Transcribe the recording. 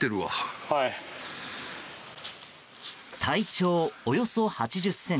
体長およそ８０ｃｍ。